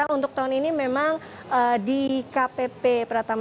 untuk tahun ini memang di kpp pratama